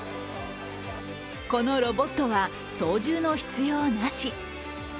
このロボットは、操縦の必要なし。